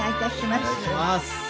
お願いします。